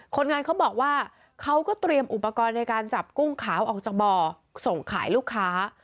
คนงานเขาบอกว่าเขาก็เตรียมอุปกรณ์ในการจับกุ้งขาวออกจากบ่อส่งขายลูกค้า